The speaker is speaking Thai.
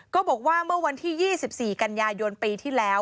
ก็บอกว่าเมื่อวันที่๒๔กันยายนปีที่แล้ว